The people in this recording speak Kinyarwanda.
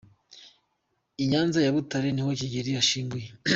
Inyanza ya butare ni ho kigeri ashyinguyee.